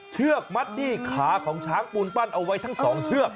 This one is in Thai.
เชือกมัดดี้ขาของช้างปูนปั้นเอาไว้ทั้งสองเชือก